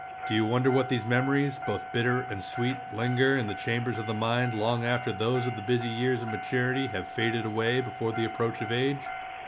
Do you wonder that these memories, both bitter and sweet, linger in the chambers of the mind long after those of the busy years of maturity have faded away before the approach of age?